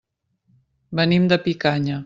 Venim de Picanya.